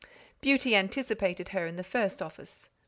Beauty anticipated her in the first office.